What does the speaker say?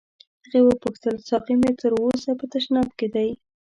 هغې وپوښتل ساقي تر اوسه په تشناب کې دی.